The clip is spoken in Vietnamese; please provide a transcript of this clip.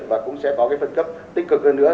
và cũng sẽ có cái phân cấp tích cực hơn nữa